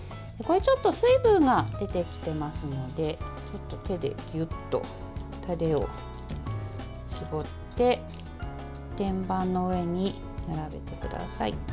ちょっと水分が出てきていますので手でギュッとタレを絞って天板の上に並べてください。